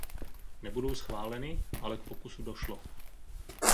Nebudou schváleny, ale k pokusu došlo.